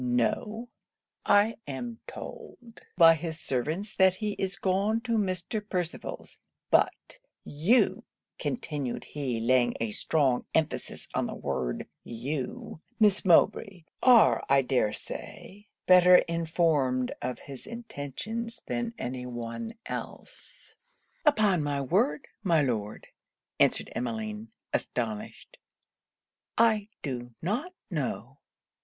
'No; I am told by his servants that he is gone to Mr. Percival's But you '(continued he, laying a strong emphasis on the word) 'you, Miss Mowbray, are I dare say better informed of his intentions than any one else.' 'Upon my word, my Lord,' answered Emmeline, astonished, 'I do not know.